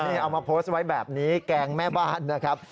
นี่เอามาโพสต์ไว้แบบนี้แกล้งแม่บ้านนะครับ